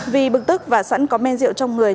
vì bực tức và sẵn có men rượu trong người